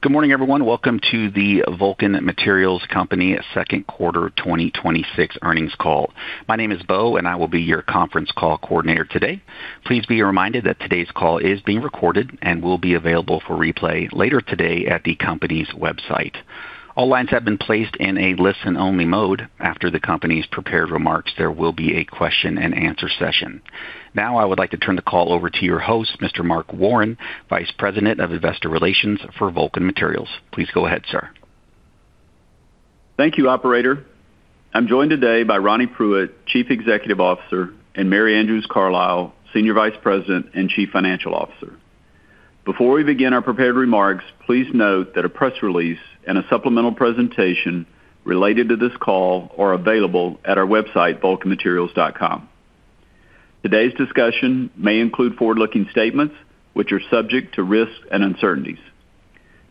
Good morning, everyone. Welcome to the Vulcan Materials Company second quarter 2026 earnings call. My name is Bo, and I will be your conference call coordinator today. Please be reminded that today's call is being recorded and will be available for replay later today at the company's website. All lines have been placed in a listen-only mode. After the company's prepared remarks, there will be a question-and-answer session. Now I would like to turn the call over to your host, Mr. Mark Warren, Vice President of Investor Relations for Vulcan Materials. Please go ahead, sir. Thank you, operator. I am joined today by Ronnie Pruitt, Chief Executive Officer, and Mary Andrews Carlisle, Senior Vice President and Chief Financial Officer. Before we begin our prepared remarks, please note that a press release and a supplemental presentation related to this call are available at our website, vulcanmaterials.com. Today's discussion may include forward-looking statements, which are subject to risks and uncertainties.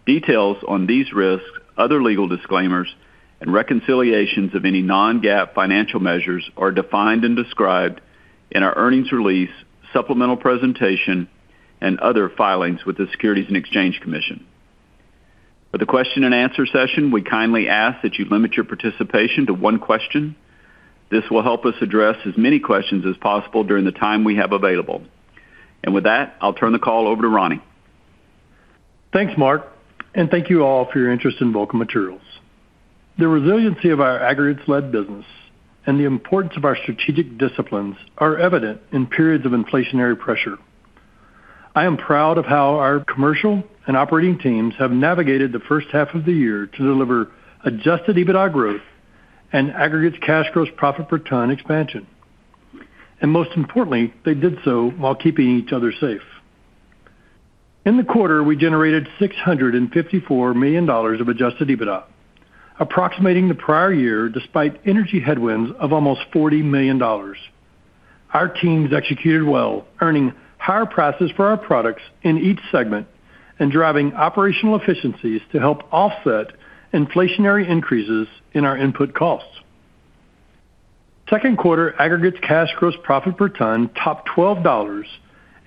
Details on these risks, other legal disclaimers, and reconciliations of any non-GAAP financial measures are defined and described in our earnings release, supplemental presentation, and other filings with the Securities and Exchange Commission. For the question-and-answer session, we kindly ask that you limit your participation to one question. This will help us address as many questions as possible during the time we have available. With that, I will turn the call over to Ronnie. Thanks, Mark, and thank you all for your interest in Vulcan Materials. The resiliency of our aggregates-led business and the importance of our strategic disciplines are evident in periods of inflationary pressure. I am proud of how our commercial and operating teams have navigated the first half of the year to deliver adjusted EBITDA growth and aggregates cash gross profit per ton expansion. Most importantly, they did so while keeping each other safe. In the quarter, we generated $654 million of adjusted EBITDA, approximating the prior year despite energy headwinds of almost $40 million. Our teams executed well, earning higher prices for our products in each segment and driving operational efficiencies to help offset inflationary increases in our input costs. Second quarter aggregates cash gross profit per ton topped $12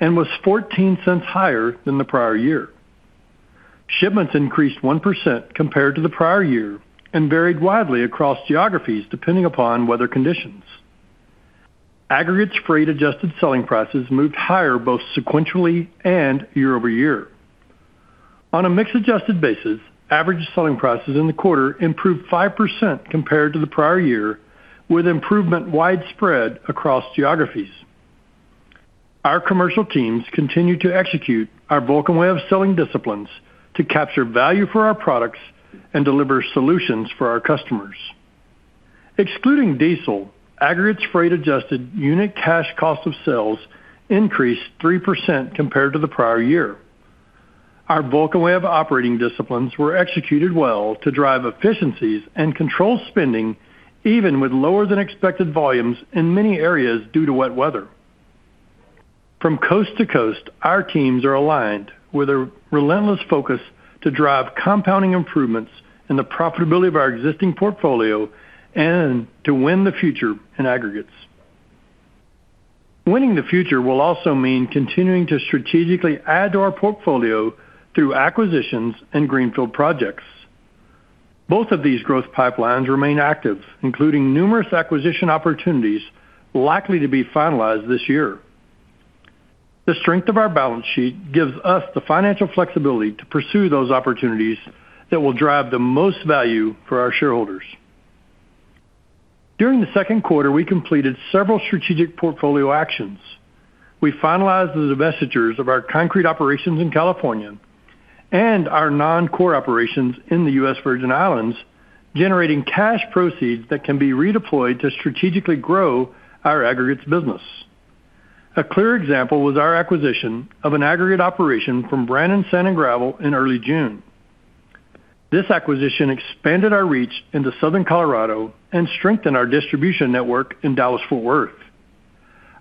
and was $0.14 higher than the prior year. Shipments increased 1% compared to the prior year and varied widely across geographies depending upon weather conditions. Aggregates freight adjusted selling prices moved higher both sequentially and year-over-year. On a mix-adjusted basis, average selling prices in the quarter improved 5% compared to the prior year, with improvement widespread across geographies. Our commercial teams continue to execute our Vulcan Way of Selling disciplines to capture value for our products and deliver solutions for our customers. Excluding diesel, aggregates freight adjusted unit cash cost of sales increased 3% compared to the prior year. Our Vulcan Way of Operating disciplines were executed well to drive efficiencies and control spending, even with lower than expected volumes in many areas due to wet weather. From coast to coast, our teams are aligned with a relentless focus to drive compounding improvements in the profitability of our existing portfolio and to win the future in aggregates. Winning the future will also mean continuing to strategically add to our portfolio through acquisitions and greenfield projects. Both of these growth pipelines remain active, including numerous acquisition opportunities likely to be finalized this year. The strength of our balance sheet gives us the financial flexibility to pursue those opportunities that will drive the most value for our shareholders. During the second quarter, we completed several strategic portfolio actions. We finalized the divestitures of our concrete operations in California and our non-core operations in the U.S. Virgin Islands, generating cash proceeds that can be redeployed to strategically grow our aggregates business. A clear example was our acquisition of an aggregate operation from Brannan Sand & Gravel in early June. This acquisition expanded our reach into southern Colorado and strengthened our distribution network in Dallas-Fort Worth.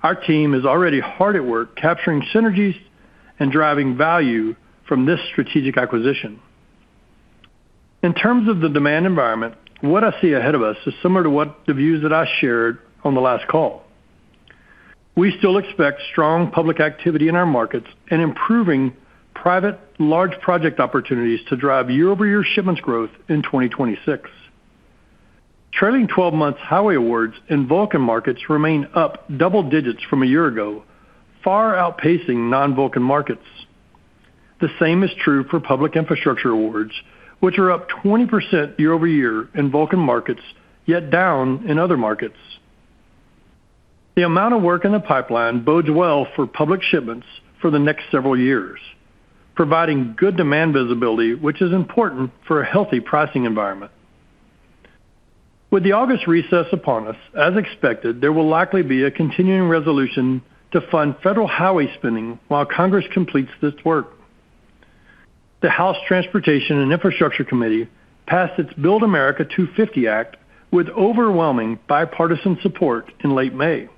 Our team is already hard at work capturing synergies and driving value from this strategic acquisition. In terms of the demand environment, what I see ahead of us is similar to what the views that I shared on the last call. We still expect strong public activity in our markets and improving private large project opportunities to drive year-over-year shipments growth in 2026. Trailing 12 months highway awards in Vulcan markets remain up double digits from a year ago, far outpacing non-Vulcan markets. The same is true for public infrastructure awards, which are up 20% year-over-year in Vulcan markets, yet down in other markets. The amount of work in the pipeline bodes well for public shipments for the next several years, providing good demand visibility, which is important for a healthy pricing environment. With the August recess upon us, as expected, there will likely be a continuing resolution to fund federal highway spending while Congress completes this work. The House Transportation and Infrastructure Committee passed its BUILD America 250 Act with overwhelming bipartisan support in late May.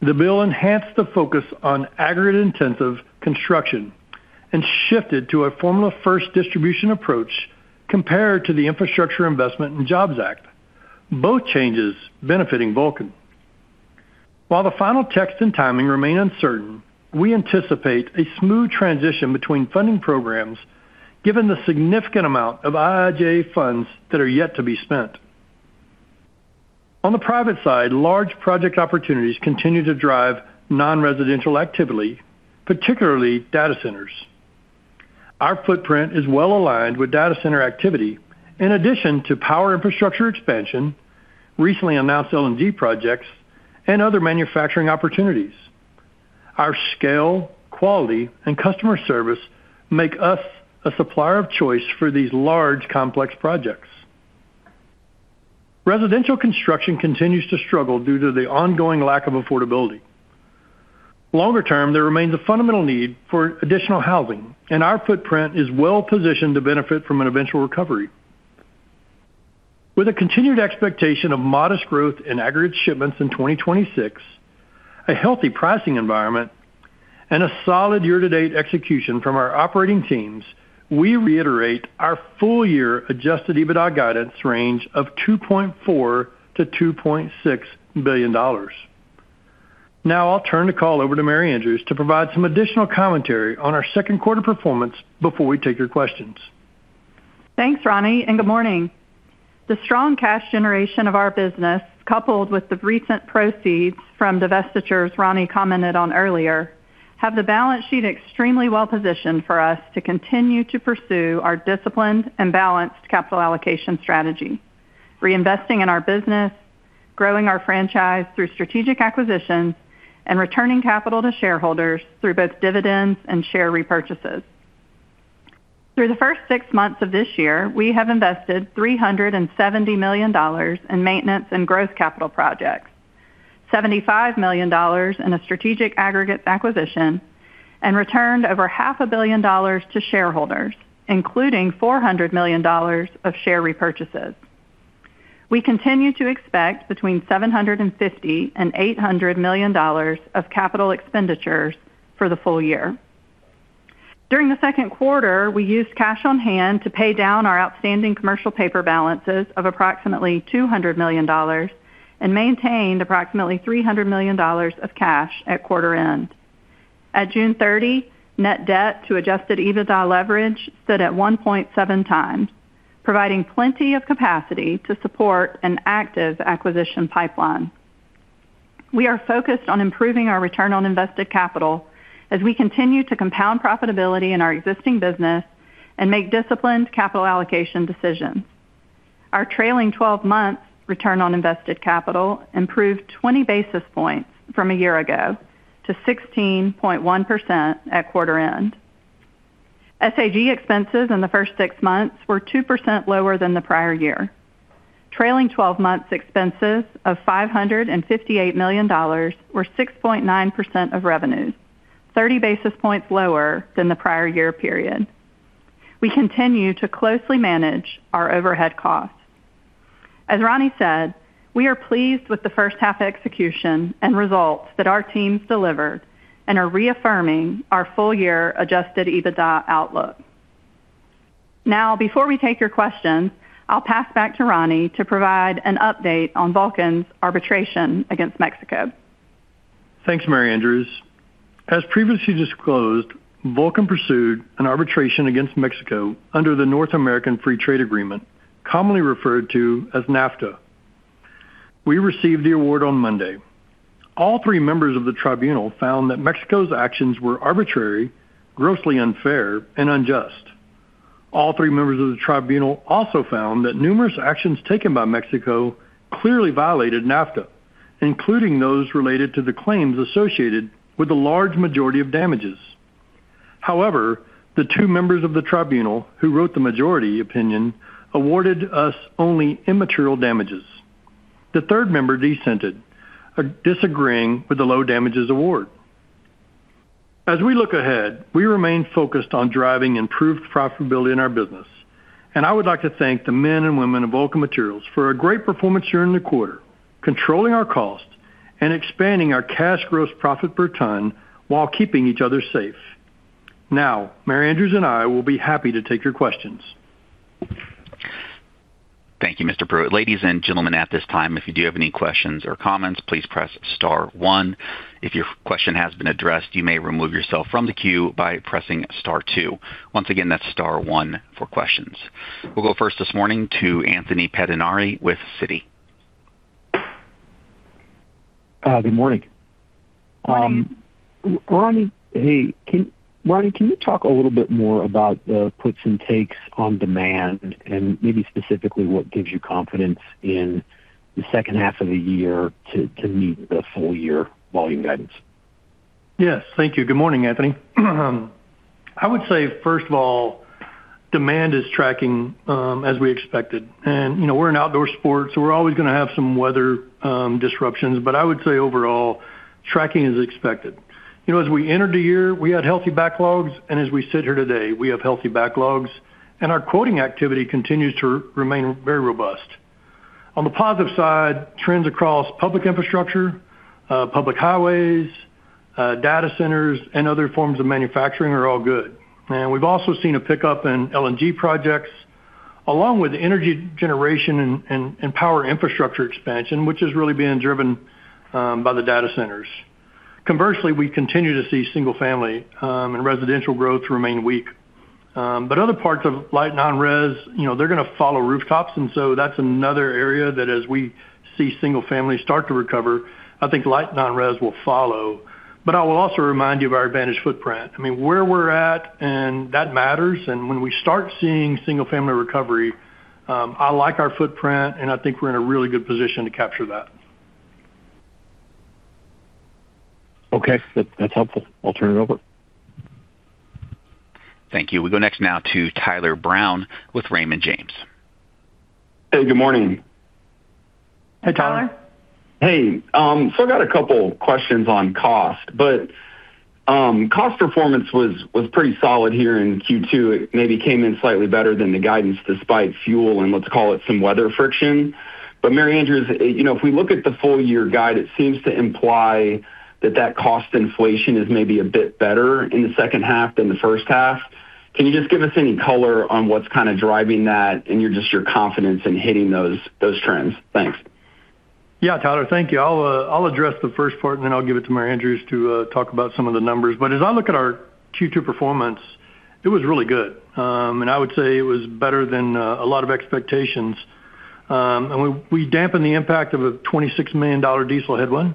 The bill enhanced the focus on aggregate-intensive construction and shifted to a formula first distribution approach compared to the Infrastructure Investment and Jobs Act, both changes benefiting Vulcan. While the final text and timing remain uncertain, we anticipate a smooth transition between funding programs given the significant amount of IIJ funds that are yet to be spent. On the private side, large project opportunities continue to drive non-residential activity, particularly data centers. Our footprint is well-aligned with data center activity. In addition to power infrastructure expansion, recently announced LNG projects, and other manufacturing opportunities. Our scale, quality, and customer service make us a supplier of choice for these large, complex projects. Residential construction continues to struggle due to the ongoing lack of affordability. Longer term, there remains a fundamental need for additional housing, and our footprint is well-positioned to benefit from an eventual recovery. With a continued expectation of modest growth in aggregate shipments in 2026, a healthy pricing environment, and a solid year-to-date execution from our operating teams, we reiterate our full year adjusted EBITDA guidance range of $2.4 billion-$2.6 billion. Now I'll turn the call over to Mary Andrews to provide some additional commentary on our second quarter performance before we take your questions. Thanks, Ronnie, and good morning. The strong cash generation of our business, coupled with the recent proceeds from divestitures Ronnie commented on earlier, have the balance sheet extremely well-positioned for us to continue to pursue our disciplined and balanced capital allocation strategy. Reinvesting in our business, growing our franchise through strategic acquisitions, and returning capital to shareholders through both dividends and share repurchases. Through the first six months of this year, we have invested $370 million in maintenance and growth capital projects, $75 million in a strategic aggregate acquisition, and returned over half a billion dollars to shareholders, including $400 million of share repurchases. We continue to expect between $750 million and $800 million of capital expenditures for the full year. During the second quarter, we used cash on hand to pay down our outstanding commercial paper balances of approximately $200 million and maintained approximately $300 million of cash at quarter end. At June 30, net debt to adjusted EBITDA leverage stood at 1.7x, providing plenty of capacity to support an active acquisition pipeline. We are focused on improving our return on invested capital as we continue to compound profitability in our existing business and make disciplined capital allocation decisions. Our trailing 12 months return on invested capital improved 20 basis points from a year ago to 16.1% at quarter end. SAG expenses in the first six months were 2% lower than the prior year. Trailing 12 months expenses of $558 million, or 6.9% of revenues, 30 basis points lower than the prior year period. We continue to closely manage our overhead costs. As Ronnie said, we are pleased with the first half execution and results that our teams delivered and are reaffirming our full year adjusted EBITDA outlook. Now, before we take your questions, I'll pass back to Ronnie to provide an update on Vulcan's arbitration against Mexico. Thanks, Mary Andrews. As previously disclosed, Vulcan pursued an arbitration against Mexico under the North American Free Trade Agreement, commonly referred to as NAFTA. We received the award on Monday. All three members of the tribunal found that Mexico's actions were arbitrary, grossly unfair, and unjust. All three members of the tribunal also found that numerous actions taken by Mexico clearly violated NAFTA, including those related to the claims associated with the large majority of damages. The two members of the tribunal, who wrote the majority opinion, awarded us only immaterial damages. The third member dissented, disagreeing with the low damages award. As we look ahead, we remain focused on driving improved profitability in our business, and I would like to thank the men and women of Vulcan Materials for a great performance here in the quarter, controlling our cost and expanding our cash gross profit per ton while keeping each other safe. Mary Andrews and I will be happy to take your questions. Thank you, Mr. Pruitt. Ladies and gentlemen, at this time, if you do have any questions or comments, please press star one. If your question has been addressed, you may remove yourself from the queue by pressing star two. Once again, that's star one for questions. We'll go first this morning to Anthony Pettinari with Citi. Good morning. Morning. Ronnie, can you talk a little bit more about the puts and takes on demand and maybe specifically what gives you confidence in the second half of the year to meet the full year volume guidance? Yes. Thank you. Good morning, Anthony. I would say, first of all, demand is tracking as we expected. We're an outdoor sport, so we're always going to have some weather disruptions. I would say overall, tracking is expected. As we entered the year, we had healthy backlogs, and as we sit here today, we have healthy backlogs, and our quoting activity continues to remain very robust. On the positive side, trends across public infrastructure, public highways, data centers, and other forms of manufacturing are all good. We've also seen a pickup in LNG projects along with energy generation and power infrastructure expansion, which is really being driven by the data centers. Conversely, we continue to see single-family and residential growth remain weak. Other parts of light non-res, they're going to follow rooftops, and so that's another area that as we see single family start to recover, I think light non-res will follow. I will also remind you of our advantage footprint. Where we're at, and that matters, and when we start seeing single family recovery, I like our footprint, and I think we're in a really good position to capture that. Okay. That's helpful. I'll turn it over. Thank you. We go next now to Tyler Brown with Raymond James. Hey, good morning. Hey, Tyler. Tyler. Hey. I got a couple questions on cost, but cost performance was pretty solid here in Q2. It maybe came in slightly better than the guidance despite fuel and let's call it some weather friction. Mary Andrews, if we look at the full year guide, it seems to imply that that cost inflation is maybe a bit better in the second half than the first half. Can you just give us any color on what's driving that and just your confidence in hitting those trends? Thanks. Yeah, Tyler. Thank you. I'll address the first part. Then I'll give it to Mary Andrews to talk about some of the numbers. As I look at our Q2 performance, it was really good. I would say it was better than a lot of expectations. We dampened the impact of a $26 million diesel headwind.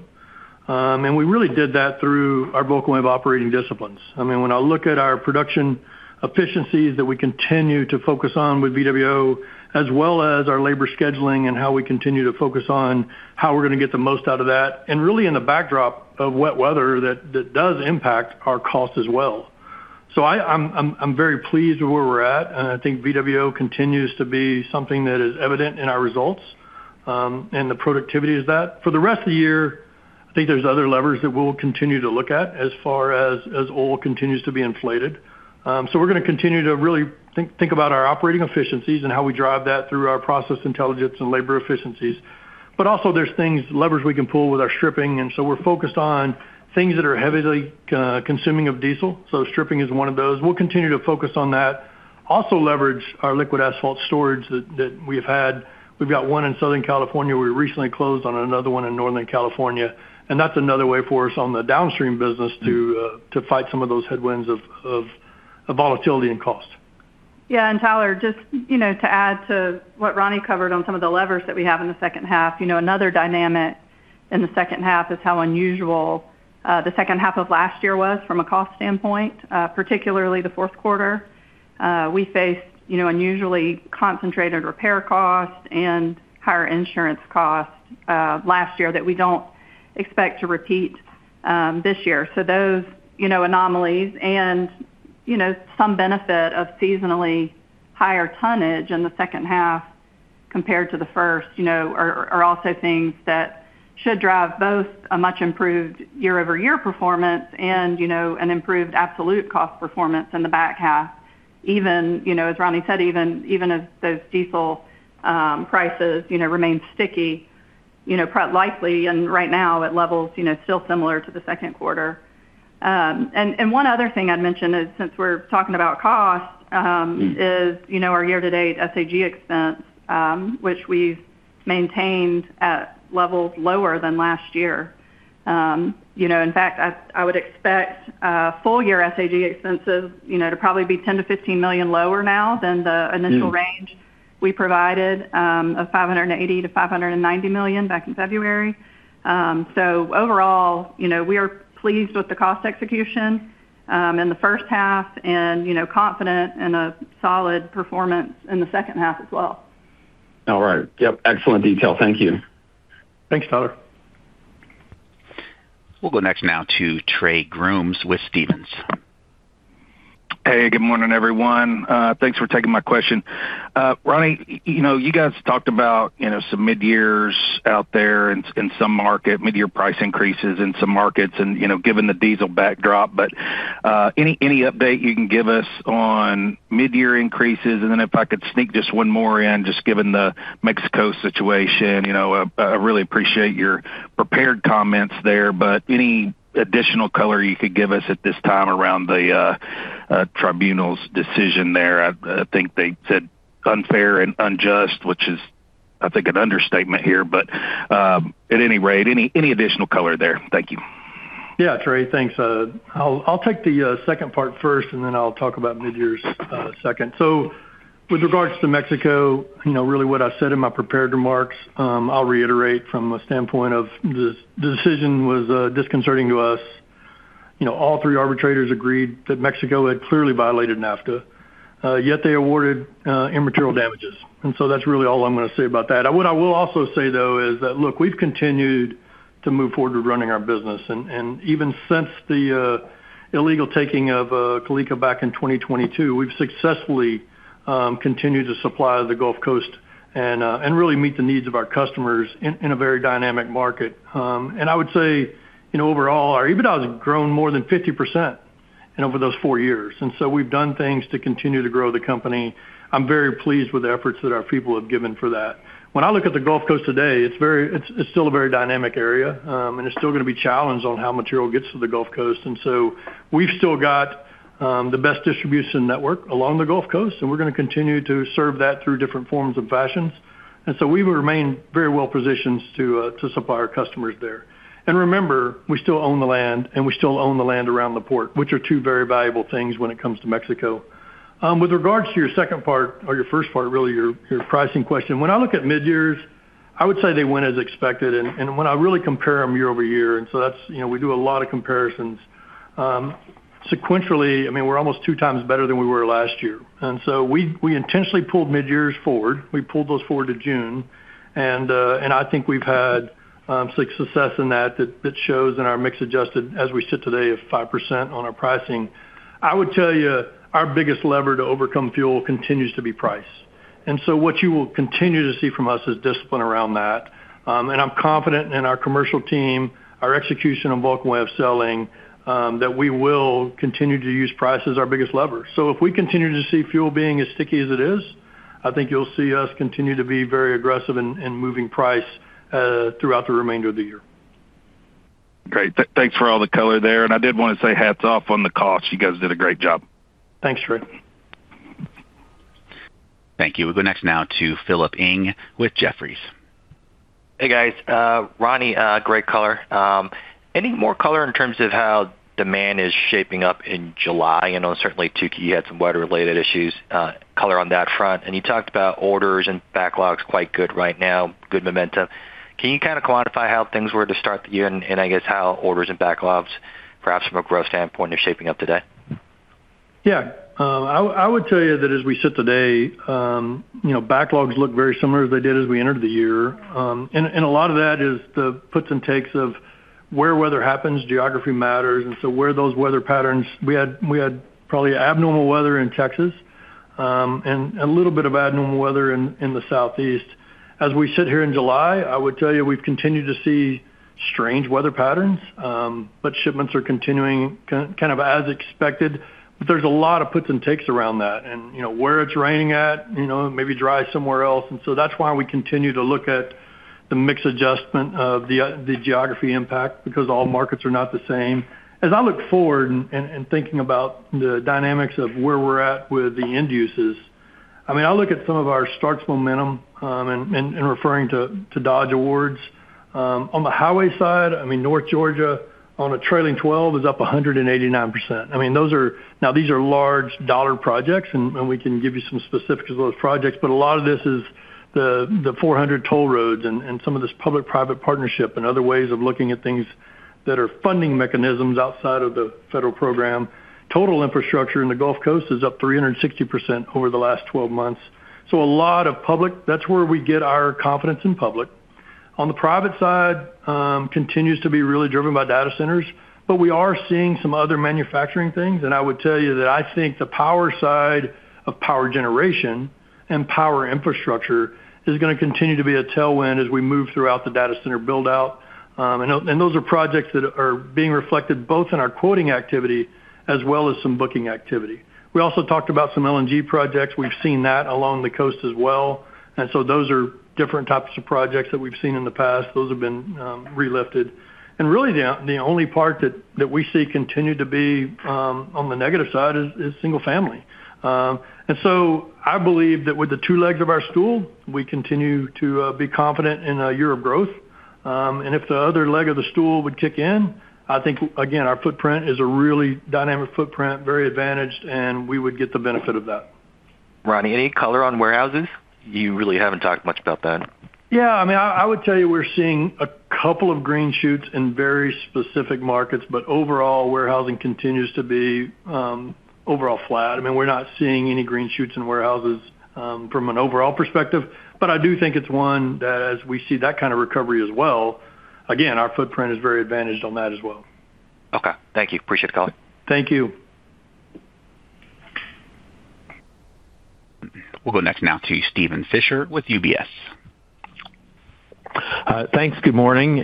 We really did that through our Vulcan Way of Operating disciplines. When I look at our production efficiencies that we continue to focus on with VWO, as well as our labor scheduling and how we continue to focus on how we're going to get the most out of that, and really in the backdrop of wet weather, that does impact our cost as well. I'm very pleased with where we're at. I think VWO continues to be something that is evident in our results, and the productivity is that. For the rest of the year, I think there's other levers that we'll continue to look at as far as oil continues to be inflated. We're going to continue to really think about our operating efficiencies and how we drive that through our process intelligence and labor efficiencies. Also there's things, levers we can pull with our stripping. We're focused on things that are heavily consuming of diesel. Stripping is one of those. We'll continue to focus on that. Also leverage our liquid asphalt storage that we've had. We've got one in Southern California. We recently closed on another one in Northern California. That's another way for us on the downstream business to fight some of those headwinds of volatility and cost. Yeah. Tyler, just to add to what Ronnie covered on some of the levers that we have in the second half. Another dynamic in the second half is how unusual the second half of last year was from a cost standpoint, particularly the fourth quarter. We faced unusually concentrated repair costs and higher insurance costs last year that we don't expect to repeat this year. Those anomalies and some benefit of seasonally higher tonnage in the second half compared to the first, are also things that should drive both a much improved year-over-year performance and an improved absolute cost performance in the back half. Even, as Ronnie said, even as those diesel prices remain sticky, likely, and right now at levels still similar to the second quarter. One other thing I'd mention is since we're talking about cost is our year to date SAG expense, which we've maintained at levels lower than last year. In fact, I would expect full year SAG expenses to probably be $10 million-$15 million lower now than the initial range we provided, of $580 million-$590 million back in February. Overall, we are pleased with the cost execution in the first half and confident in a solid performance in the second half as well. All right. Excellent detail. Thank you. Thanks, Tyler. We'll go next now to Trey Grooms with Stephens. Hey, good morning, everyone. Thanks for taking my question. Ronnie, you guys talked about some mid-years out there in some market, mid-year price increases in some markets and given the diesel backdrop. Any update you can give us on mid-year increases? If I could sneak just one more in, just given the Mexico situation, I really appreciate your prepared comments there. Any additional color you could give us at this time around the tribunal's decision there? I think they said unfair and unjust, which is, I think, an understatement here. At any rate, any additional color there? Thank you. Trey, thanks. I'll take the second part first, then I'll talk about mid-year second. With regards to Mexico, really what I said in my prepared remarks, I'll reiterate from a standpoint of the decision was disconcerting to us. All three arbitrators agreed that Mexico had clearly violated NAFTA, yet they awarded immaterial damages. That's really all I'm going to say about that. What I will also say, though, is that, look, we've continued to move forward with running our business. Even since the illegal taking of Calica back in 2022, we've successfully continued to supply the Gulf Coast and really meet the needs of our customers in a very dynamic market. I would say overall, our EBITDA has grown more than 50% over those four years. We've done things to continue to grow the company. I'm very pleased with the efforts that our people have given for that. When I look at the Gulf Coast today, it's still a very dynamic area. It's still going to be challenged on how material gets to the Gulf Coast. We've still got the best distribution network along the Gulf Coast, and we're going to continue to serve that through different forms and fashions. We will remain very well positioned to supply our customers there. Remember, we still own the land, and we still own the land around the port, which are two very valuable things when it comes to Mexico. With regards to your second part, or your first part really, your pricing question. When I look at mid-years, I would say they went as expected, and when I really compare them year-over-year, we do a lot of comparisons. Sequentially, we're almost 2x better than we were last year. We intentionally pulled mid-years forward. We pulled those forward to June, and I think we've had some success in that shows in our mix adjusted as we sit today of 5% on our pricing. I would tell you, our biggest lever to overcome fuel continues to be price. What you will continue to see from us is discipline around that, and I'm confident in our commercial team, our execution on Vulcan Way of Selling, that we will continue to use price as our biggest lever. If we continue to see fuel being as sticky as it is, I think you'll see us continue to be very aggressive in moving price throughout the remainder of the year. Great. Thanks for all the color there, and I did want to say hats off on the cost. You guys did a great job. Thanks, Trey. Thank you. We'll go next now to Philip Ng with Jefferies. Hey, guys. Ronnie, great color. Any more color in terms of how demand is shaping up in July? I know certainly [Kentucky] had some weather-related issues, color on that front. You talked about orders and backlogs quite good right now, good momentum. Can you kind of quantify how things were to start the year and, I guess, how orders and backlogs, perhaps from a growth standpoint, are shaping up today? Yeah. I would tell you that as we sit today, backlogs look very similar as they did as we entered the year. A lot of that is the puts and takes of where weather happens, geography matters. We had probably abnormal weather in Texas, and a little bit of abnormal weather in the Southeast. As we sit here in July, I would tell you, we've continued to see strange weather patterns, but shipments are continuing as expected. There's a lot of puts and takes around that and where it's raining at, maybe dry somewhere else, that's why we continue to look at the mix adjustment of the geography impact because all markets are not the same. As I look forward and thinking about the dynamics of where we're at with the end uses, I look at some of our starts momentum, and referring to Dodge awards. On the highway side, North Georgia on a trailing 12 is up 189%. These are large dollar projects, we can give you some specifics of those projects, a lot of this is the 400 toll roads and some of this public-private partnership and other ways of looking at things that are funding mechanisms outside of the federal program. Total infrastructure in the Gulf Coast is up 360% over the last 12 months. A lot of public. That's where we get our confidence in public. On the private side, continues to be really driven by data centers, we are seeing some other manufacturing things. I would tell you that I think the power side of power generation and power infrastructure is going to continue to be a tailwind as we move throughout the data center build-out. Those are projects that are being reflected both in our quoting activity as well as some booking activity. We also talked about some LNG projects. We've seen that along the coast as well. Those are different types of projects that we've seen in the past. Those have been relifted. Really, the only part that we see continue to be on the negative side is single family. I believe that with the two legs of our stool, we continue to be confident in a year of growth. If the other leg of the stool would kick in, I think, again, our footprint is a really dynamic footprint, very advantaged, and we would get the benefit of that. Ronnie, any color on warehouses? You really haven't talked much about that. Yeah. I would tell you, we're seeing a couple of green shoots in very specific markets, but overall, warehousing continues to be overall flat. We're not seeing any green shoots in warehouses from an overall perspective. I do think it's one that as we see that kind of recovery as well, again, our footprint is very advantaged on that as well. Okay. Thank you. Appreciate the call. Thank you. We'll go next now to Steven Fisher with UBS. Thanks. Good morning.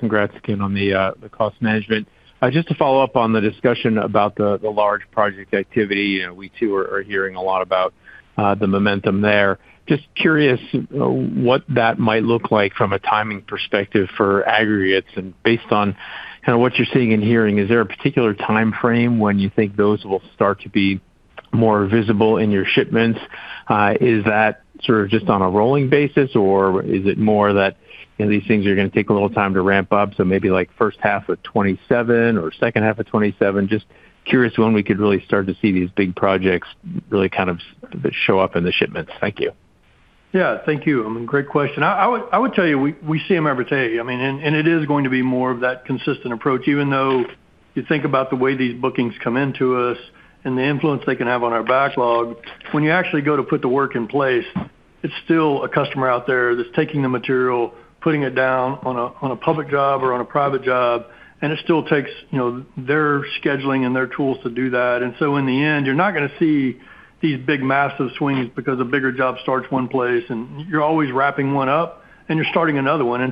Congrats again on the cost management. Just to follow up on the discussion about the large project activity. We too are hearing a lot about the momentum there. Just curious what that might look like from a timing perspective for aggregates. Based on what you're seeing and hearing, is there a particular time frame when you think those will start to be more visible in your shipments? Is that sort of just on a rolling basis, or is it more that these things are going to take a little time to ramp up, so maybe like first half of 2027 or second half of 2027? Just curious when we could really start to see these big projects really kind of show up in the shipments. Thank you. Yeah. Thank you. Great question. I would tell you, we see them every day. It is going to be more of that consistent approach, even though you think about the way these bookings come into us and the influence they can have on our backlog. When you actually go to put the work in place, it's still a customer out there that's taking the material, putting it down on a public job or on a private job. It still takes their scheduling and their tools to do that. In the end, you're not going to see these big massive swings because a bigger job starts one place, and you're always wrapping one up and you're starting another one.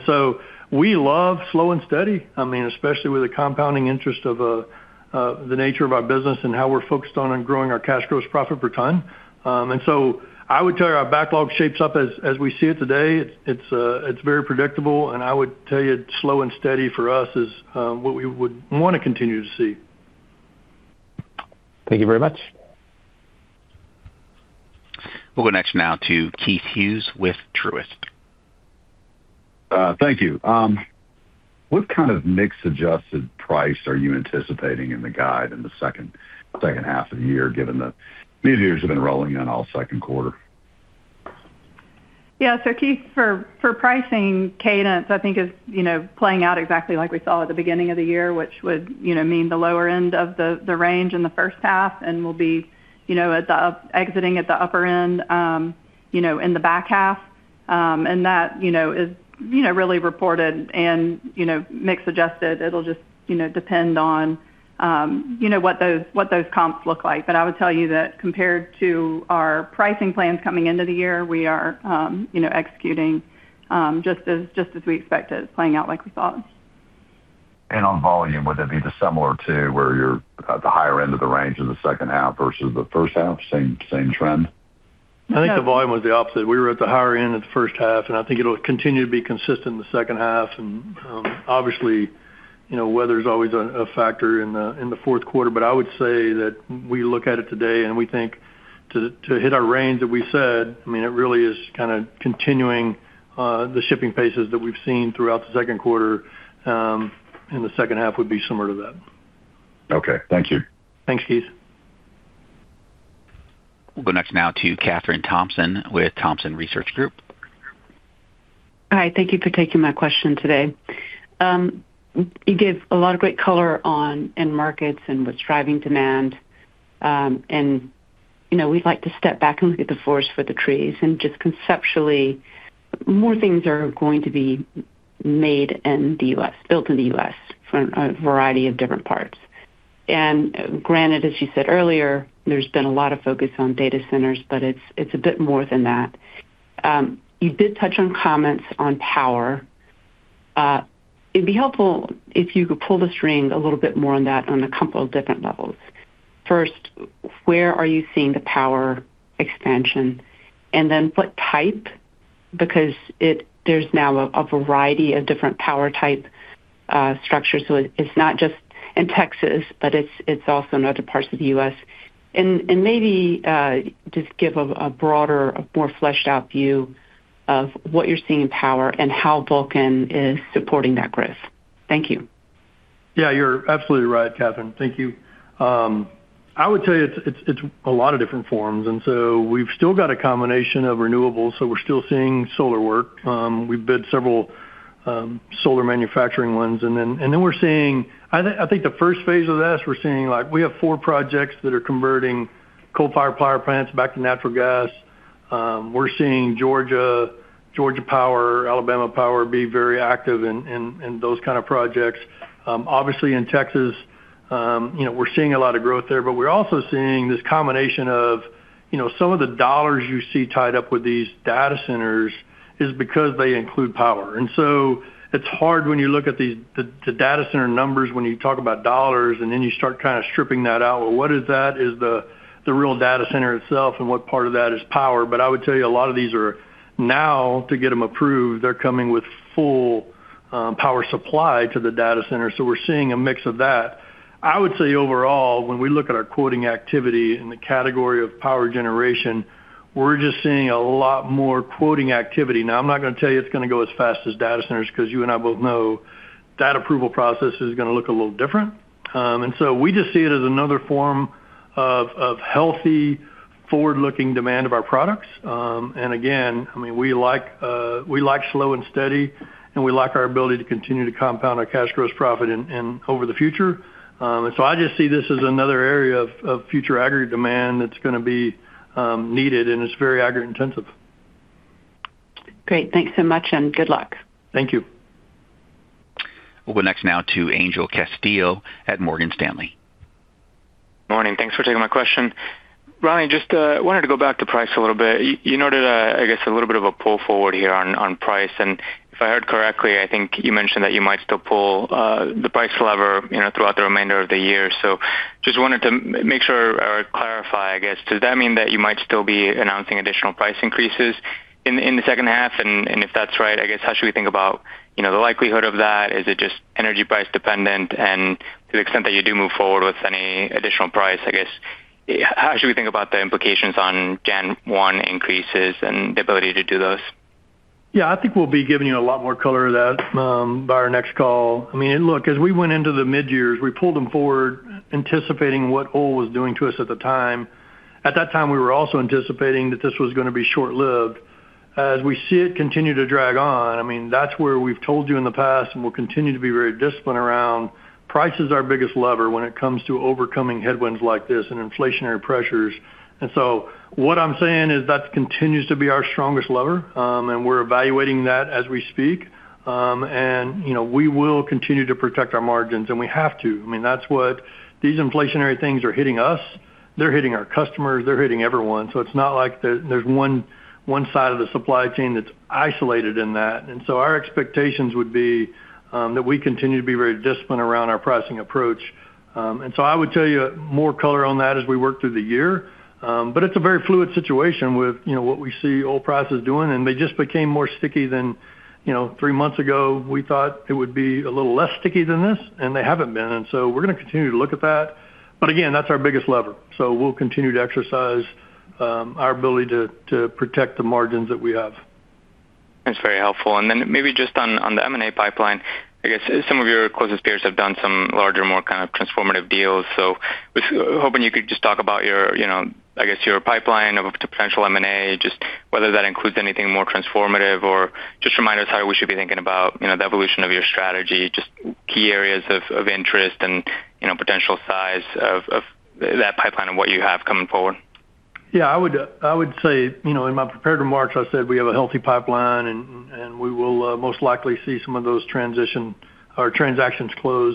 We love slow and steady, especially with the compounding interest of the nature of our business and how we're focused on growing our cash gross profit per ton. I would tell you our backlog shapes up as we see it today. It's very predictable, and I would tell you it's slow and steady for us is what we would want to continue to see. Thank you very much. We'll go next now to Keith Hughes with Truist. Thank you. What kind of mix adjusted price are you anticipating in the guide in the second half of the year, given that midyears have been rolling in all second quarter? Yeah. Keith, for pricing cadence, I think is playing out exactly like we saw at the beginning of the year, which would mean the lower end of the range in the first half and will be exiting at the upper end in the back half. That is really reported and mix adjusted. It'll just depend on what those comps look like. I would tell you that compared to our pricing plans coming into the year, we are executing just as we expected, playing out like we thought. On volume, would that be the similar to where you're at the higher end of the range in the second half versus the first half? Same trend? Yeah. I think the volume was the opposite. We were at the higher end at the first half. I think it'll continue to be consistent in the second half. Obviously, weather's always a factor in the fourth quarter, but I would say that we look at it today and we think to hit our range that we said, it really is kind of continuing the shipping paces that we've seen throughout the second quarter. The second half would be similar to that. Okay. Thank you. Thanks, Keith. We'll go next now to Kathryn Thompson with Thompson Research Group. Hi. Thank you for taking my question today. You gave a lot of great color on end markets and what's driving demand. We'd like to step back and look at the forest for the trees and just conceptually, more things are going to be made in the U.S., built in the U.S., for a variety of different parts. Granted, as you said earlier, there's been a lot of focus on data centers, but it's a bit more than that. You did touch on comments on power. It'd be helpful if you could pull the string a little bit more on that on a couple of different levels. First, where are you seeing the power expansion? Then what type? There's now a variety of different power type structures. It's not just in Texas, but it's also in other parts of the U.S. Maybe just give a broader, a more fleshed out view of what you're seeing in power and how Vulcan is supporting that growth. Thank you. Yeah, you're absolutely right, Kathryn. Thank you. I would tell you it's a lot of different forms. We've still got a combination of renewables. We're still seeing solar work. We've bid several solar manufacturing ones. Then we're seeing, I think the first phase of this, we're seeing we have four projects that are converting coal fire power plants back to natural gas. We're seeing Georgia Power, Alabama Power be very active in those kind of projects. Obviously in Texas, we're seeing a lot of growth there. We're also seeing this combination of some of the dollars you see tied up with these data centers is because they include power. It's hard when you look at the data center numbers, when you talk about dollars, and then you start kind of stripping that out. Well, what is that? Is the real data center itself, and what part of that is power? I would tell you a lot of these are now to get them approved, they're coming with full power supply to the data center. We're seeing a mix of that. I would say overall, when we look at our quoting activity in the category of power generation, we're just seeing a lot more quoting activity. Now, I'm not going to tell you it's going to go as fast as data centers because you and I both know that approval process is going to look a little different. We just see it as another form of healthy forward-looking demand of our products. Again, we like slow and steady, and we like our ability to continue to compound our cash gross profit over the future. I just see this as another area of future aggregate demand that's going to be needed, and it's very aggregate intensive. Great. Thanks so much and good luck. Thank you. We'll go next now to Angel Castillo at Morgan Stanley. Morning. Thanks for taking my question. Ronnie, just wanted to go back to price a little bit. You noted, I guess, a little bit of a pull forward here on price. If I heard correctly, I think you mentioned that you might still pull the price lever throughout the remainder of the year. Just wanted to make sure or clarify, I guess. Does that mean that you might still be announcing additional price increases in the second half? If that's right, I guess how should we think about the likelihood of that? Is it just energy price dependent? To the extent that you do move forward with any additional price, I guess, how should we think about the implications on January one increases and the ability to do those? Yeah, I think we'll be giving you a lot more color of that by our next call. Look, as we went into the midyears, we pulled them forward anticipating what oil was doing to us at the time. At that time, we were also anticipating that this was going to be short-lived. As we see it continue to drag on, that's where we've told you in the past and will continue to be very disciplined around price is our biggest lever when it comes to overcoming headwinds like this and inflationary pressures. What I'm saying is that continues to be our strongest lever. We're evaluating that as we speak. We will continue to protect our margins. We have to. These inflationary things are hitting us, they're hitting our customers, they're hitting everyone. It's not like there's one side of the supply chain that's isolated in that. Our expectations would be that we continue to be very disciplined around our pricing approach. I would tell you more color on that as we work through the year. It's a very fluid situation with what we see oil prices doing. They just became more sticky than three months ago. We thought it would be a little less sticky than this. They haven't been. We're going to continue to look at that. Again, that's our biggest lever. We'll continue to exercise our ability to protect the margins that we have. That's very helpful. Maybe just on the M&A pipeline, I guess some of your closest peers have done some larger, more kind of transformative deals. Was hoping you could just talk about your pipeline of potential M&A, just whether that includes anything more transformative or just remind us how we should be thinking about the evolution of your strategy, just key areas of interest and potential size of that pipeline and what you have coming forward. Yeah, I would say, in my prepared remarks, I said we have a healthy pipeline we will most likely see some of those transition or transactions close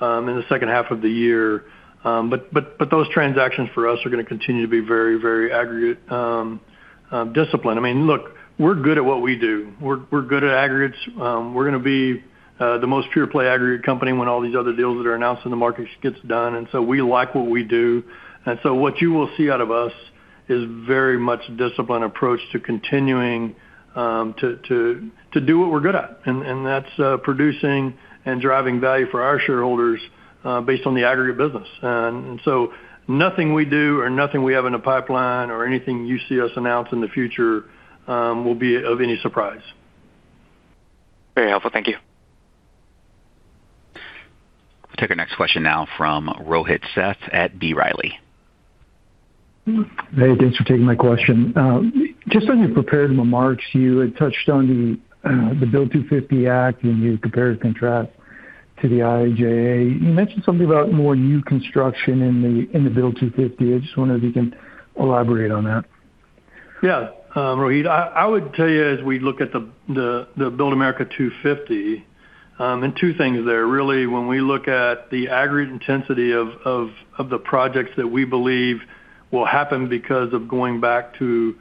in the second half of the year. Those transactions for us are going to continue to be very aggregate disciplined. Look, we're good at what we do. We're good at aggregates. We're going to be the most pure play aggregate company when all these other deals that are announced in the market gets done. We like what we do. What you will see out of us is very much disciplined approach to continuing to do what we're good at. That's producing and driving value for our shareholders based on the aggregate business. Nothing we do or nothing we have in the pipeline or anything you see us announce in the future will be of any surprise. Very helpful. Thank you. We'll take our next question now from Rohit Seth at B. Riley. Hey, thanks for taking my question. Just on your prepared remarks, you had touched on the BUILD America 250 Act, you compared and contrast to the IIJA. You mentioned something about more new construction in the BUILD America 250. I just wonder if you can elaborate on that. Yeah. Rohit, I would tell you as we look at the BUILD America 250, two things there, really, when we look at the aggregate intensity of the projects that we believe will happen because of going back to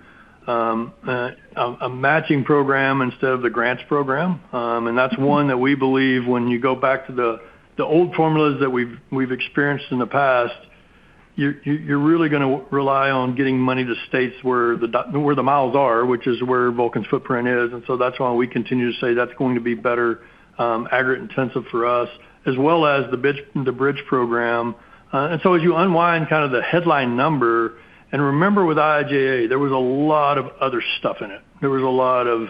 a matching program instead of the grants program. That's one that we believe when you go back to the old formulas that we've experienced in the past, you're really going to rely on getting money to states where the miles are, which is where Vulcan's footprint is. That's why we continue to say that's going to be better aggregate intensive for us, as well as the bridge program. As you unwind kind of the headline number, remember with IIJA, there was a lot of other stuff in it. There was a lot of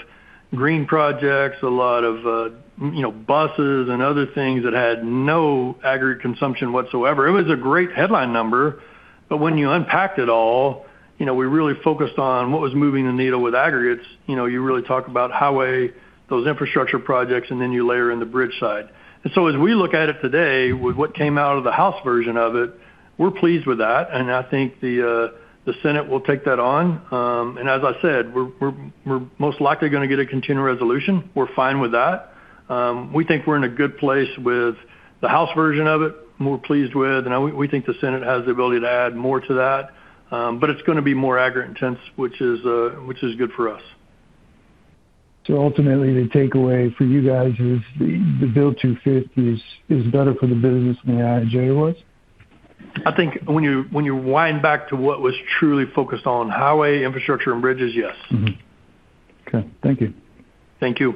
green projects, a lot of buses and other things that had no aggregate consumption whatsoever. It was a great headline number, when you unpacked it all, we really focused on what was moving the needle with aggregates. You really talk about highway, those infrastructure projects, then you layer in the bridge side. As we look at it today with what came out of the House version of it, we're pleased with that, I think the Senate will take that on. As I said, we're most likely going to get a continued resolution. We're fine with that. We think we're in a good place with the House version of it, we're pleased with, we think the Senate has the ability to add more to that. It's going to be more aggregate intense, which is good for us. Ultimately, the takeaway for you guys is the BUILD 250 is better for the business than the IIJA was? I think when you wind back to what was truly focused on highway, infrastructure, and bridges, yes. Okay. Thank you. Thank you.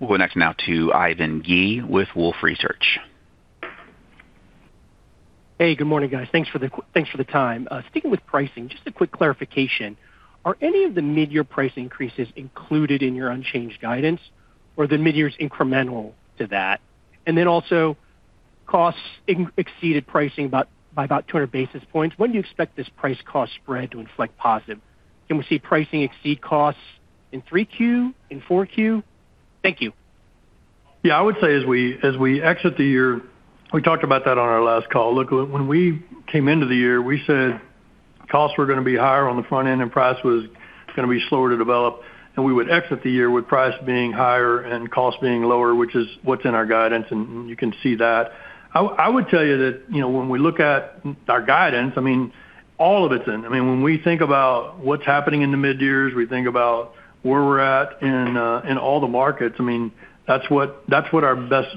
We'll go next now to Ivan Yi with Wolfe Research. Hey, good morning, guys. Thanks for the time. Sticking with pricing, just a quick clarification. Are any of the mid-year price increases included in your unchanged guidance or the mid-year is incremental to that? Also costs exceeded pricing by about 200 basis points. When do you expect this price cost spread to inflect positive? Can we see pricing exceed costs in 3 Q, in 4 Q? Thank you. Yeah, I would say as we exit the year, we talked about that on our last call. Look, when we came into the year, we said costs were going to be higher on the front end and price was going to be slower to develop, and we would exit the year with price being higher and cost being lower, which is what's in our guidance, and you can see that. I would tell you that when we look at our guidance, all of it's in. When we think about what's happening in the mid-years, we think about where we're at in all the markets. That's what our best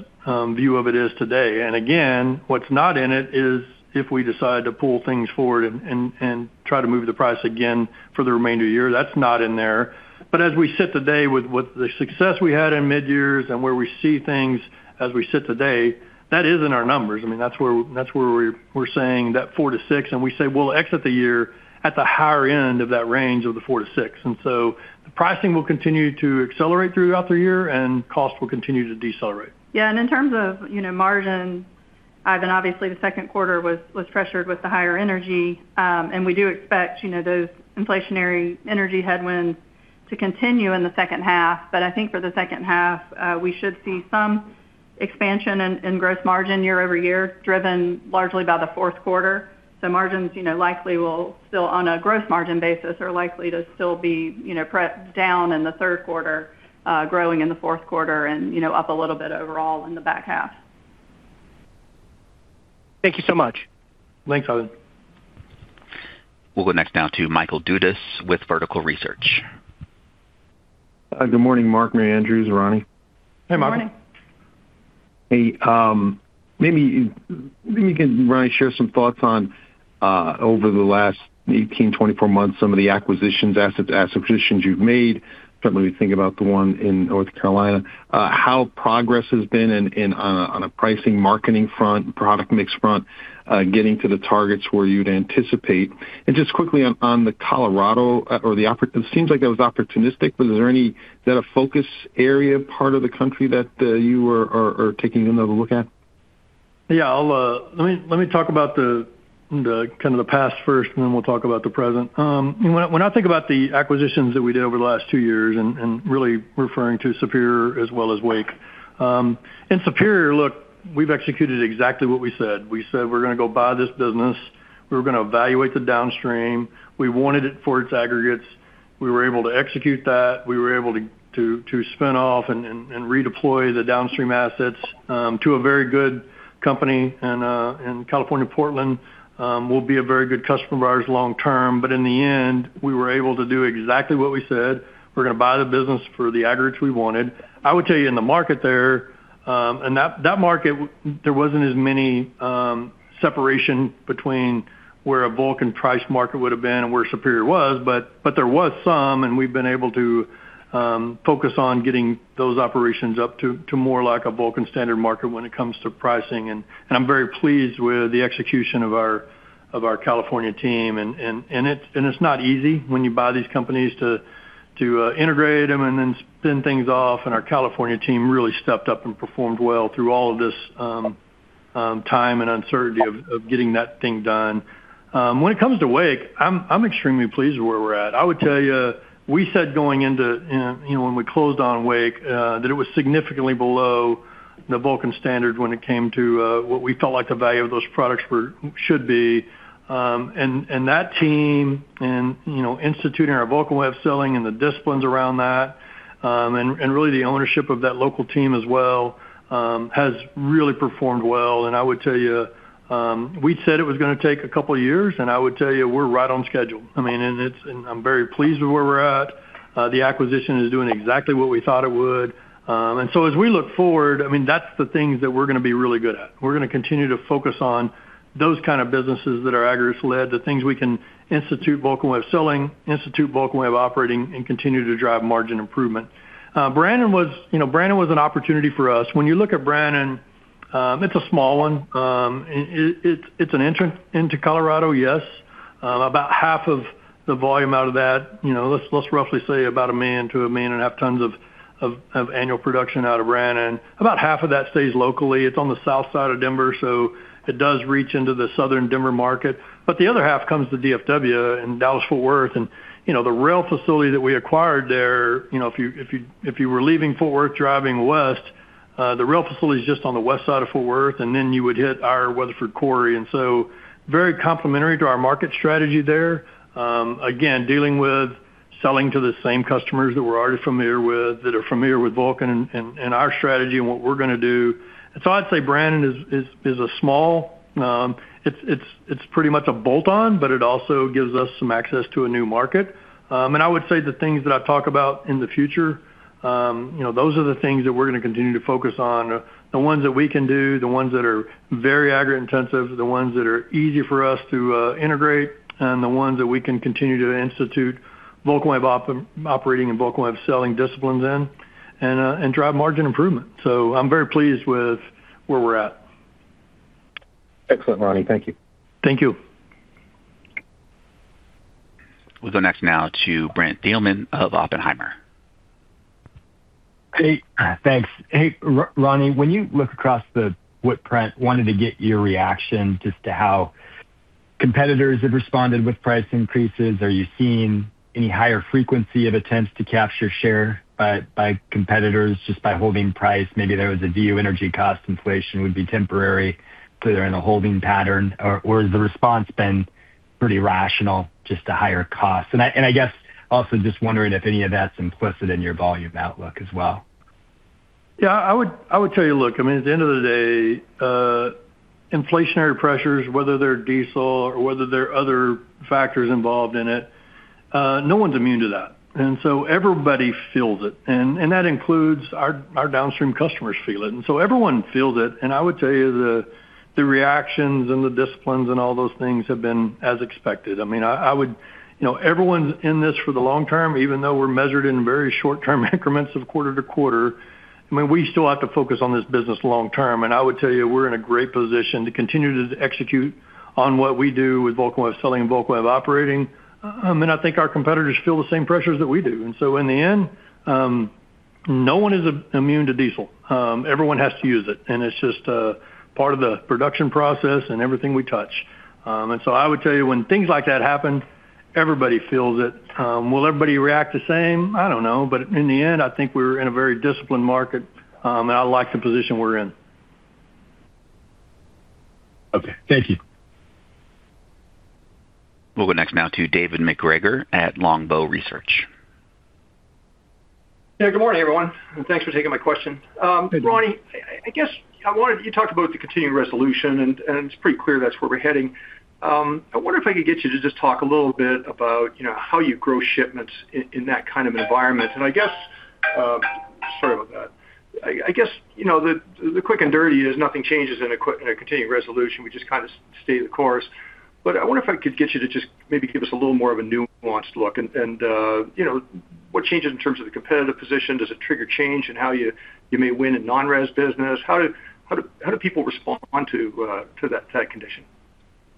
view of it is today. Again, what's not in it is if we decide to pull things forward and try to move the price again for the remainder of the year. That's not in there. As we sit today with the success we had in mid-years and where we see things as we sit today, that is in our numbers. That's where we're saying that four to six, and we say we'll exit the year at the higher end of that range of the four to six. The pricing will continue to accelerate throughout the year and cost will continue to decelerate. In terms of margin, Ivan, obviously the second quarter was pressured with the higher energy. We do expect those inflationary energy headwinds to continue in the second half. I think for the second half, we should see some expansion in gross margin year-over-year, driven largely by the fourth quarter. Margins likely will still on a gross margin basis, are likely to still be perhaps down in the third quarter, growing in the fourth quarter and up a little bit overall in the back half. Thank you so much. Thanks, Ivan. We'll go next now to Michael Dudas with Vertical Research. Good morning, Mark, Mary Andrews, Ronnie. Hey, Michael. Morning. Hey, maybe you can, Ronnie, share some thoughts on, over the last 18, 24 months, some of the acquisitions, asset positions you've made. Certainly we think about the one in North Carolina. How progress has been on a pricing marketing front, product mix front, getting to the targets where you'd anticipate. Just quickly on the Colorado, it seems like that was opportunistic, but is that a focus area part of the country that you are taking another look at? Yeah. Let me talk about the past first. Then we'll talk about the present. When I think about the acquisitions that we did over the last two years really referring to Superior Ready Mix as well as Wake Stone Corporation. In Superior Ready Mix, look, we've executed exactly what we said. We said we're going to go buy this business. We were going to evaluate the downstream. We wanted it for its aggregates. We were able to execute that. We were able to spin off and redeploy the downstream assets to a very good company in CalPortland Company will be a very good customer of ours long term. In the end, we were able to do exactly what we said. We're going to buy the business for the aggregates we wanted. I would tell you, in the market there, and that market, there wasn't as many separation between where a Vulcan price market would've been and where Superior was. There was some, and we've been able to focus on getting those operations up to more like a Vulcan standard market when it comes to pricing. I'm very pleased with the execution of our California team. It's not easy when you buy these companies to integrate them and then spin things off. Our California team really stepped up and performed well through all of this time and uncertainty of getting that thing done. When it comes to Wake, I'm extremely pleased with where we're at. I would tell you, we said going into when we closed on Wake, that it was significantly below the Vulcan standard when it came to what we felt like the value of those products should be. That team and instituting our Vulcan Way of Selling and the disciplines around that, and really the ownership of that local team as well, has really performed well. I would tell you, we said it was going to take a couple of years, and I would tell you we're right on schedule. I'm very pleased with where we're at. The acquisition is doing exactly what we thought it would. As we look forward, that's the things that we're going to be really good at. We're going to continue to focus on those kind of businesses that are aggregates led, the things we can institute Vulcan Way of Selling, institute Vulcan Way of Operating and continue to drive margin improvement. Brannan was an opportunity for us. When you look at Brannan, it's a small one. It's an entrance into Colorado, yes. About half of the volume out of that, let's roughly say about a million to a million and a half tons of annual production out of Brannan. About half of that stays locally. It's on the south side of Denver, so it does reach into the southern Denver market. The other half comes to DFW in Dallas-Fort Worth, and the rail facility that we acquired there, if you were leaving Fort Worth driving west, the rail facility is just on the west side of Fort Worth, and then you would hit our Weatherford quarry. Very complementary to our market strategy there. Again, dealing with selling to the same customers that we're already familiar with, that are familiar with Vulcan and our strategy and what we're going to do. I'd say Brannan is a small. It's pretty much a bolt on, but it also gives us some access to a new market. I would say the things that I've talked about in the future, those are the things that we're going to continue to focus on. The ones that we can do, the ones that are very aggregate intensive, the ones that are easy for us to integrate, and the ones that we can continue to institute Vulcan Way of Operating and Vulcan Way of Selling disciplines in, and drive margin improvement. I'm very pleased with where we're at. Excellent, Ronnie. Thank you. Thank you. We'll go next now to Brent Thielman of Oppenheimer. Hey, thanks. Hey, Ronnie, when you look across the footprint, wanted to get your reaction just to how competitors have responded with price increases. Are you seeing any higher frequency of attempts to capture share by competitors just by holding price? Maybe there was a view energy cost inflation would be temporary, so they're in a holding pattern. Has the response been pretty rational just to higher costs? I guess also just wondering if any of that's implicit in your volume outlook as well. Yeah, I would tell you, look, at the end of the day, inflationary pressures, whether they're diesel or whether there are other factors involved in it, no one's immune to that. Everybody feels it. That includes our downstream customers feel it. Everyone feels it. I would tell you the reactions and the disciplines and all those things have been as expected. Everyone's in this for the long term, even though we're measured in very short-term increments of quarter to quarter. We still have to focus on this business long term. I would tell you, we're in a great position to continue to execute on what we do with Vulcan Way of Selling and Vulcan Way of Operating. I think our competitors feel the same pressures that we do. In the end, no one is immune to diesel. Everyone has to use it. It's just a part of the production process and everything we touch. I would tell you, when things like that happen, everybody feels it. Will everybody react the same? I don't know. In the end, I think we're in a very disciplined market, and I like the position we're in. Okay. Thank you. We'll go next now to David MacGregor at Longbow Research. Yeah, good morning, everyone. Thanks for taking my question. Good morning. Ronnie, you talked about the continuing resolution, it's pretty clear that's where we're heading. I wonder if I could get you to just talk a little bit about how you grow shipments in that kind of environment. Sorry about that. I guess, the quick and dirty is nothing changes in a continuing resolution. We just stay the course. I wonder if I could get you to just maybe give us a little more of a nuanced look and what changes in terms of the competitive position? Does it trigger change in how you may win in non-res business? How do people respond to that condition?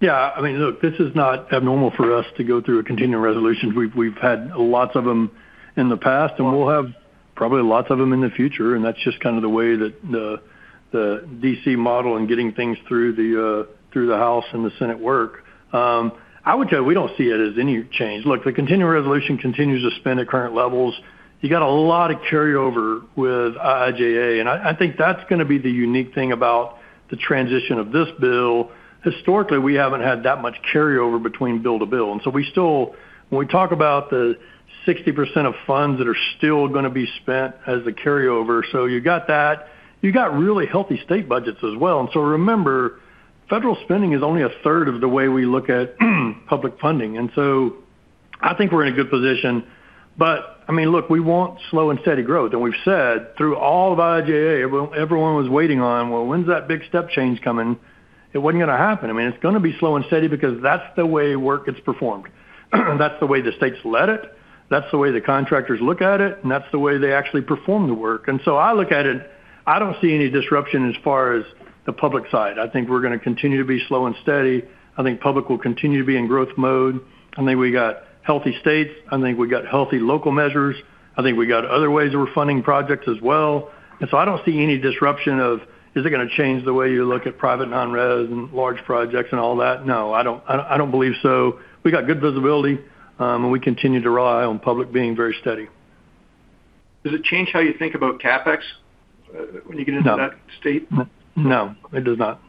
Yeah. Look, this is not abnormal for us to go through a continuing resolution. We've had lots of them in the past, and we'll have probably lots of them in the future, and that's just kind of the way that the D.C. model and getting things through the House and the Senate work. I would tell you, we don't see it as any change. Look, the continuing resolution continues to spend at current levels. You got a lot of carryover with IIJA, and I think that's going to be the unique thing about the transition of this bill. Historically, we haven't had that much carryover between bill to bill. We still, when we talk about the 60% of funds that are still going to be spent as the carryover, so you got that. You got really healthy state budgets as well. Remember, federal spending is only a third of the way we look at public funding. I think we're in a good position. Look, we want slow and steady growth. We've said through all of IIJA, everyone was waiting on, well, when's that big step change coming? It wasn't going to happen. It's going to be slow and steady because that's the way work gets performed. That's the way the states led it, that's the way the contractors look at it, and that's the way they actually perform the work. I look at it, I don't see any disruption as far as the public side. I think we're going to continue to be slow and steady. I think public will continue to be in growth mode. I think we got healthy states. I think we got healthy local measures. I think we got other ways that we're funding projects as well. I don't see any disruption of, is it going to change the way you look at private non-res and large projects and all that? No, I don't believe so. We got good visibility, and we continue to rely on public being very steady. Does it change how you think about CapEx when you get into that state? No. No, it does not.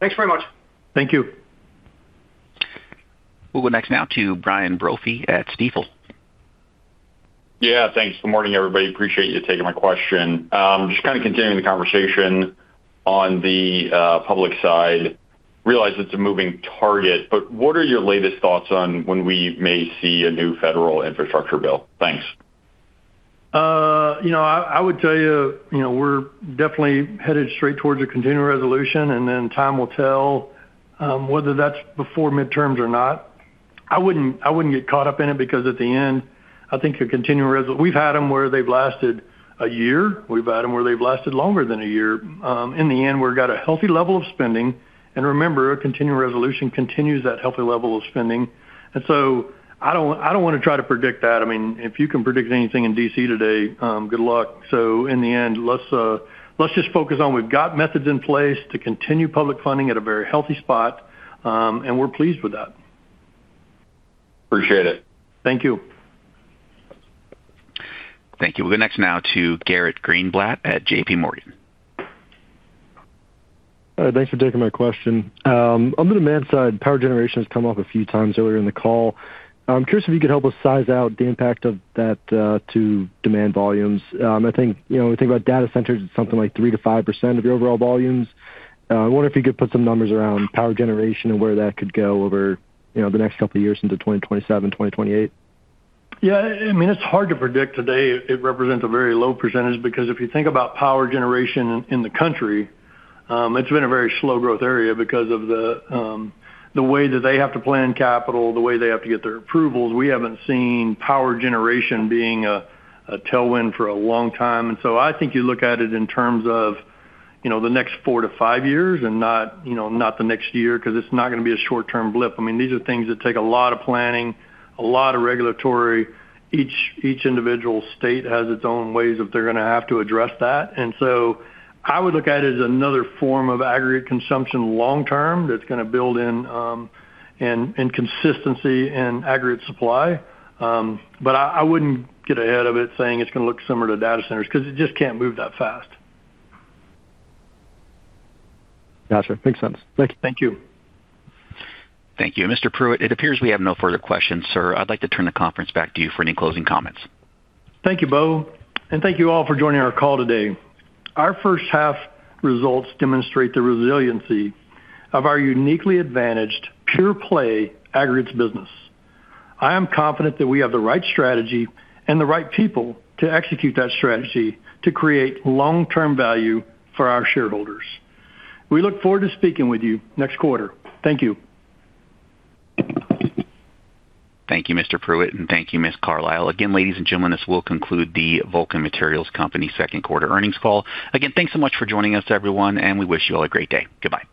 Thanks very much. Thank you. We'll go next now to Brian Brophy at Stifel. Yeah, thanks. Good morning, everybody. Appreciate you taking my question. Just kind of continuing the conversation on the public side, realize it's a moving target, but what are your latest thoughts on when we may see a new federal infrastructure bill? Thanks. I would tell you, we're definitely headed straight towards a continuing resolution, then time will tell whether that's before midterms or not. I wouldn't get caught up in it because at the end, I think. We've had them where they've lasted a year. We've had them where they've lasted longer than a year. In the end, we've got a healthy level of spending. Remember, a continuing resolution continues that healthy level of spending. I don't want to try to predict that. If you can predict anything in D.C. today, good luck. In the end, let's just focus on, we've got methods in place to continue public funding at a very healthy spot, and we're pleased with that. Appreciate it. Thank you. Thank you. We'll go next now to Garrett Greenblatt at JPMorgan. All right, thanks for taking my question. On the demand side, power generation has come up a few times earlier in the call. I'm curious if you could help us size out the impact of that to demand volumes. I think when we think about data centers, it's something like 3%-5% of your overall volumes. I wonder if you could put some numbers around power generation and where that could go over the next couple of years into 2027-2028. Yeah. It's hard to predict today. It represents a very low percentage because if you think about power generation in the country, it's been a very slow growth area because of the way that they have to plan capital, the way they have to get their approvals. We haven't seen power generation being a tailwind for a long time. I think you look at it in terms of the next four to five years and not the next year, because it's not going to be a short-term blip. These are things that take a lot of planning, a lot of regulatory. Each individual state has its own ways if they're going to have to address that. I would look at it as another form of aggregate consumption long-term that's going to build in consistency in aggregate supply. I wouldn't get ahead of it saying it's going to look similar to data centers because it just can't move that fast. Got you. Makes sense. Thank you. Thank you. Thank you. Mr. Pruitt, it appears we have no further questions, sir. I'd like to turn the conference back to you for any closing comments. Thank you, Bo. Thank you all for joining our call today. Our first half results demonstrate the resiliency of our uniquely advantaged pure-play aggregates business. I am confident that we have the right strategy and the right people to execute that strategy to create long-term value for our shareholders. We look forward to speaking with you next quarter. Thank you. Thank you, Mr. Pruitt, and thank you, Ms. Carlisle. Again, ladies and gentlemen, this will conclude the Vulcan Materials Company second quarter earnings call. Again, thanks so much for joining us, everyone, and we wish you all a great day. Goodbye.